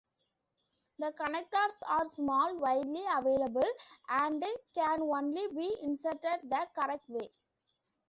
The connectors are small, widely available, and can only be inserted the "correct way".